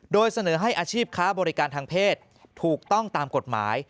โดยเสนอให้อาชีพค้าบริการทางเพศถูกต้องตามกฎหมาย